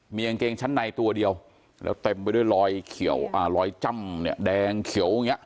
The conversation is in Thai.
มีกางเกงชั้นในตัวเดียวแล้วเต็มไปด้วยรอยเขียวอ่ารอยจ้ำเนี่ยแดงเขียวอย่างเงี้